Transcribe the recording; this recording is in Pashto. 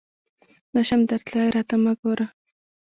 نه شم درتلای ، راته مه ګوره !